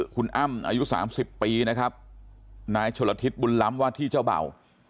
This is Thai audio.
คุณอ้ำอายุสามสิบปีนะครับนายชนฤทธิษฐ์บุญล้ำวาที่เจ้าเบ่า